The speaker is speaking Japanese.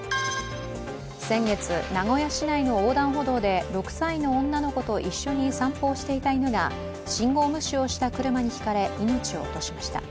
先月、名古屋市内の横断歩道で６歳の女の子と一緒に散歩をしていた犬が信号無視をした車にひかれ、命を落としました。